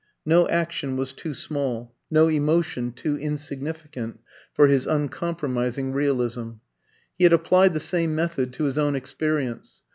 No action was too small, no emotion too insignificant, for his uncompromising realism. He had applied the same method to his own experience.